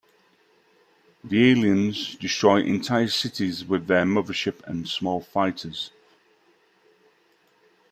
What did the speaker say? The aliens destroy entire cities with their mothership and smaller fighters.